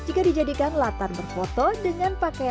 jika dijadikan latar belakang rumah